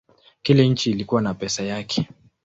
Kila nchi ilikuwa na pesa yake.